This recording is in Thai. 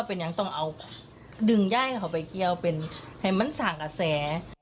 เป็นยังต้องดึงย่ายเขาไปเกี่ยวให้มันสางกระแส